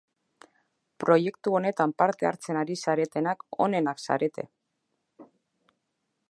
Proiektu honetan parte hartzen ari zaretenak onenak zarete!